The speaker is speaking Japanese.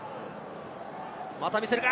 また見せるが。